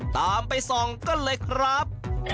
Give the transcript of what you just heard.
ตามไปส่องกันเลยครับ